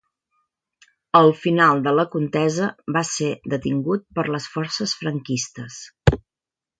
Al final de la contesa va ser detingut per les forces franquistes.